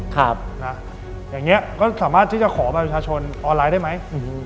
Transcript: ก็ถ้าขอบัติประชาชนออนไลน์ได้ไหม